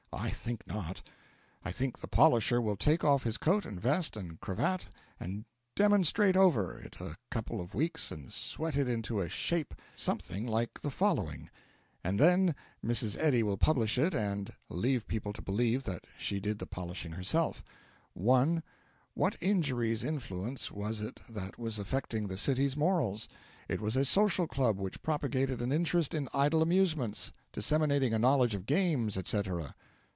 I think not. I think the polisher will take off his coat and vest and cravat and 'demonstrate over' it a couple of weeks and sweat it into a shape something like the following and then Mrs. Eddy will publish it and leave people to believe that she did the polishing herself: 1. What injurious influence was it that was affecting the city's morals? It was a social club which propagated an interest in idle amusements, disseminated a knowledge of games, et cetera.